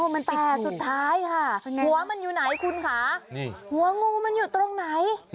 มันแตกสุดท้ายค่ะหัวมันอยู่ไหนคุณคะหัวงูมันอยู่ตรงไหน